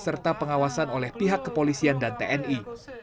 serta pengawasan oleh pihak kepolisian dan tni